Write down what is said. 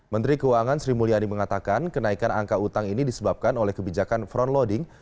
menteri keuangan sri mulyani mengatakan kenaikan angka utang ini disebabkan oleh kebijakan front loading